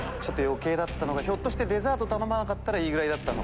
ひょっとしてデザート頼まなかったらいいぐらいだった。